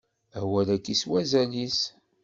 Awal-agi s wazal-is.